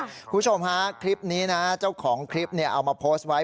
คุณผู้ชมฮะคลิปนี้นะเจ้าของคลิปเอามาโพสต์ไว้